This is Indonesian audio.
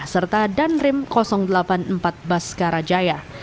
serta danrim delapan puluh empat baskarajaya